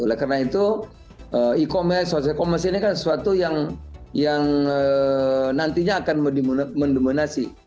oleh karena itu e commerce social e commerce ini kan sesuatu yang nantinya akan mendominasi